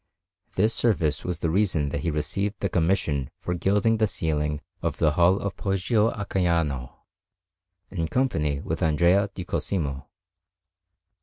This service was the reason that he received the commission for gilding the ceiling of the Hall of Poggio a Caiano, in company with Andrea di Cosimo.